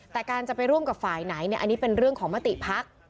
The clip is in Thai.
แต่การจะไปร่วมกับฝ่ายไหนอันนี้เป็นเรื่องของมติภักดิ์